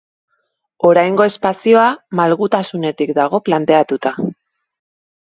Oraingo espazioa malgutasunetik dago planteatuta.